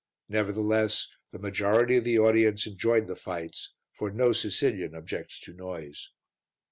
Nevertheless the majority of the audience enjoyed the fights, for no Sicilian objects to noise.